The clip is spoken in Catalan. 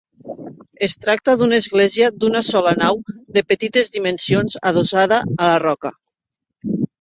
Es tracta d'una església d'una sola nau de petites dimensions adossada a la roca.